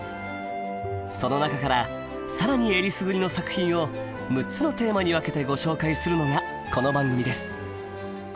その中から更にえりすぐりの作品を６つのテーマに分けてご紹介するのがこの番組です。